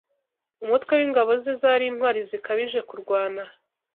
umutwe w’ingabo ze, zari intwari zikabije kurwana